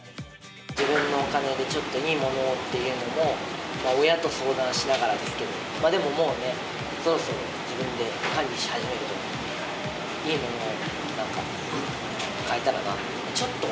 自分のお金でちょっといいものをというのを、親と相談しながらですけど、でももうね、そろそろ自分で管理し始めるので、いいものをなんか、買えたらなと。